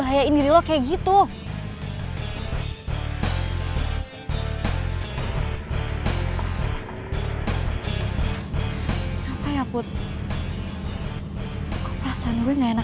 apa yang terjadi sama aku ya